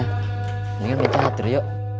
mendingan main catur yuk